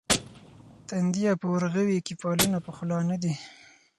تندیه په اورغوي کې فالونه پخلا نه دي.